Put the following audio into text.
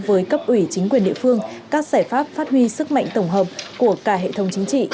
với cấp ủy chính quyền địa phương các giải pháp phát huy sức mạnh tổng hợp của cả hệ thống chính trị